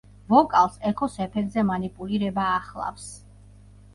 ვოკალს ექოს ეფექტზე მანიპულირება ახლავს.